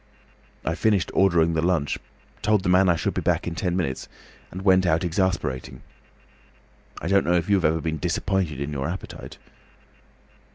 I finished ordering the lunch, told the man I should be back in ten minutes, and went out exasperated. I don't know if you have ever been disappointed in your appetite."